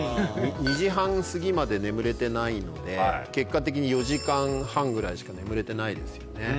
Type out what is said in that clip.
２時半過ぎまで眠れてないので結果的に４時間半ぐらいしか眠れてないですよね。